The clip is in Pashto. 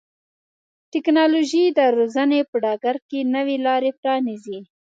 ټکنالوژي د روزنې په ډګر کې نوې لارې پرانیزي.